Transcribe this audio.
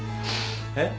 えっ？